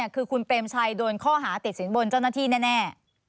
คือคุณเปรมชัยโดนข้อหาติดสินบนเจ้าหน้าที่แน่